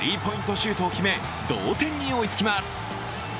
シュートを決め同点に追いつきます。